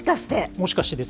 もしかしてです。